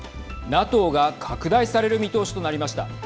ＮＡＴＯが拡大される見通しとなりました。